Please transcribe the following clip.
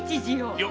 いや。